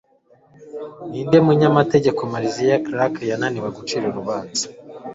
Ninde munyamategeko Marcia Clark yananiwe gucira urubanza?